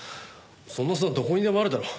そんな砂どこにでもあるだろ。